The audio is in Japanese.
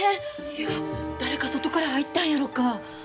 いや誰か外から入ったんやろか。